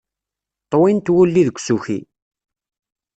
Ṭwint wulli deg usuki.